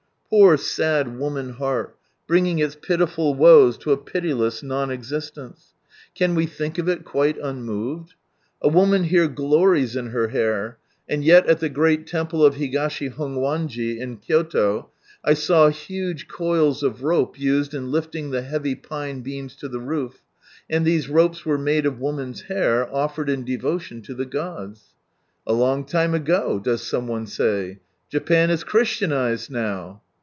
" Poor sad woman heart, bringing its pitiful woes to a pitiless non existence ! Can we think of it quite unmoved ? A woman here glories in her hair : and yet at the great Temple of Higashi Hong wanji in Kyoto, I saw huge coils of rope used in lifting the heavy pine beams to the roof, and these ropes were made of woman's hair offered in devotion to the gods. " A long time a|;o !" does some one say ? Japan is Christianized now